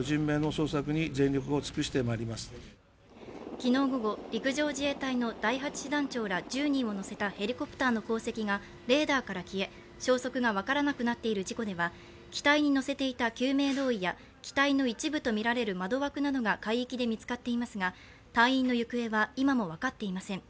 昨日午後、陸上自衛隊の第８師団長ら１０人を乗せたヘリコプターの航跡がレーダーから消え消息が分からなくなっている事故では機体に載せていた救命胴衣や機体の一部とみられる窓枠などが海域で見つかっていますが隊員の行方は今も分かっていません。